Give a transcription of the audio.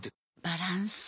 バランス。